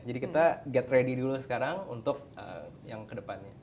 jadi kita get ready dulu sekarang untuk yang kedepannya